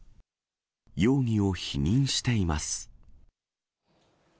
容疑を否認しています。